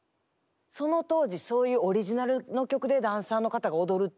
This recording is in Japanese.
その当時そういうオリジナルの曲でダンサーの方が踊るっていうの。